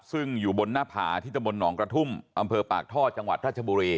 ซึ่งอยู่บนหน้าผาที่ตะบนหนองกระทุ่มอำเภอปากท่อจังหวัดราชบุรี